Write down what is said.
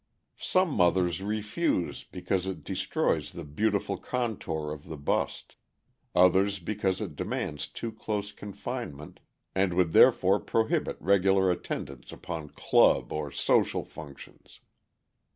Some mothers refuse because it destroys the beautiful contour of the bust; others because it demands too close confinement, and would therefore prohibit regular attendance upon club or social functions.